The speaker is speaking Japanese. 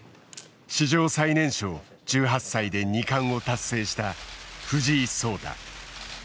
史上最年少１８歳で二冠を達成した藤井聡太。